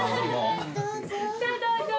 どうぞ。